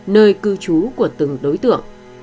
nơi cư trú của từng đối tượng